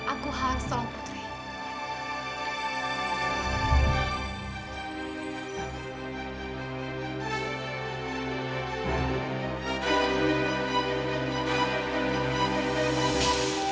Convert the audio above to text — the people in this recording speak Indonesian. aku harus tolong putri